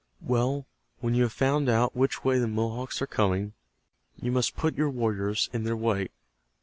Well, when you have found out which way the Mohawks are coming you must put your warriors in their way.